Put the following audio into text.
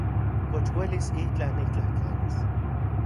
¿Kox uelis itlaj niktlajtlanis?